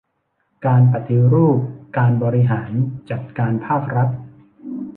การปฏิรูปการบริหารจัดการภาครัฐ